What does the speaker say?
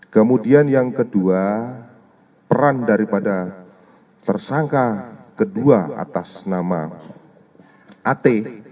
kemudian yang kedua peran daripada tersangka kedua atas nama at